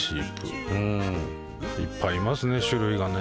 上野動物園いっぱいいますね種類がね。